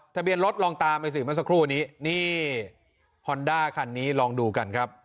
ทะเบียนรถลองตามไปสิเมื่อสักครู่นี้นี่ฮอนด้าคันนี้ลองดูกันครับ